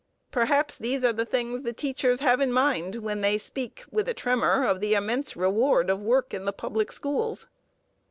Perhaps these are the things the teachers have in mind when they speak with a tremor of the immense reward of work in the public schools.